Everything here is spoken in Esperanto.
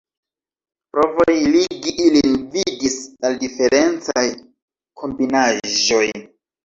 Provoj ligi ilin gvidis al diferencaj kombinaĵoj.